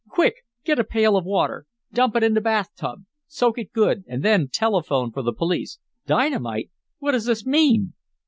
"Quick! Get a pail of water! Dump it in the bathtub! Soak it good, and then telephone for the police. Dynamite! What does this mean?"